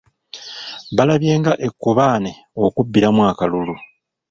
Balabye nga ekkobaane okubbiramu akalulu.